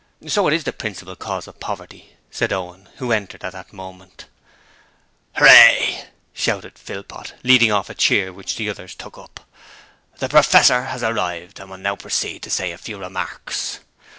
'So it is the principal cause of poverty,' said Owen, who entered at that moment. 'Hooray!' shouted Philpot, leading off a cheer which the others took up. 'The Professor 'as arrived and will now proceed to say a few remarks.'